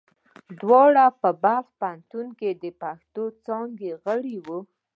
دواړه په بلخ پوهنتون پښتو څانګه کې غړي وو.